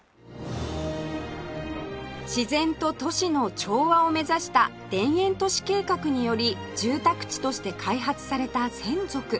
自然と都市の調和を目指した田園都市計画により住宅地として開発された洗足